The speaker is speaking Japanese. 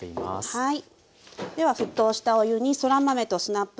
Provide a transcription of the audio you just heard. はい。